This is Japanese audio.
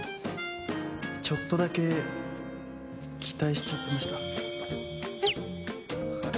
ちょっとだけ期待しちゃってました。